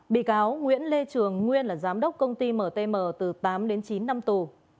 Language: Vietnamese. bị cáo nguyễn lê trường nguyên là giám đốc công ty mtm từ tám đến chín năm tù